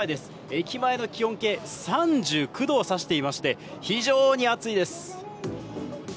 駅前の気温計３９度を指していまして非常に暑いです。